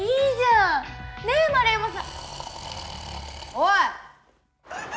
おい！